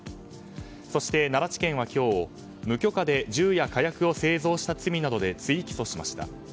そして奈良地検は今日無許可で銃や火薬などを製造した罪などで追起訴しました。